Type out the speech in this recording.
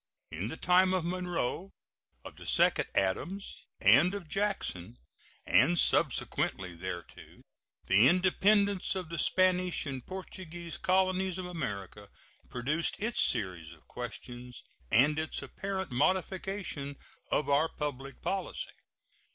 In the time of Monroe, of the second Adams, and of Jackson, and subsequently thereto, the independence of the Spanish and Portuguese colonies of America produced its series of questions and its apparent modification of our public policy.